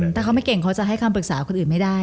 ถ้าเขาไม่เก่งเขาจะให้คำปรึกษาคนอื่นไม่ได้